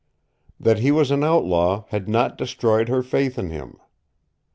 That he was an outlaw had not destroyed her faith in him.